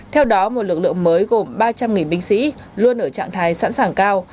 theo đó một lực lượng mới gồm ba trăm linh binh sĩ luôn ở trạng thái sẵn sàng cao